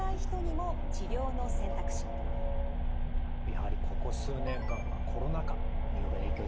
やはりここ数年間はコロナ禍による影響